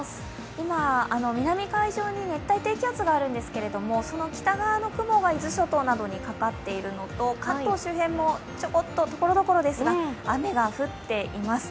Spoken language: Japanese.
今、南海上に熱帯低気圧があるんですけれども、その北側の雲が伊豆諸島などにかかっているのと関東周辺も所々ですが雨が降っています。